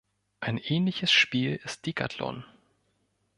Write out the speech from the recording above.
Ein ähnliches Spiel ist Decathlon.